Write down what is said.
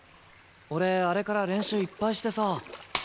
俺あれから練習いっぱいしてさ。